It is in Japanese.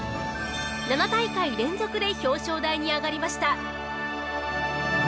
７大会連続で表彰台に上がりました。